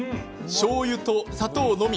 しょうゆと砂糖のみ。